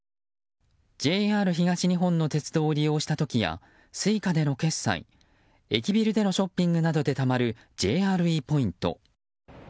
ＪＲ東日本の鉄道を利用した時やＳｕｉｃａでの決済、駅ビルでのショッピングなどでたまるＪＲＥポイント。